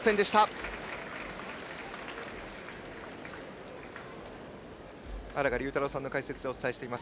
荒賀龍太郎さんの解説でお伝えしています。